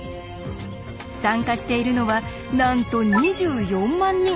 参加しているのはなんと２４万人！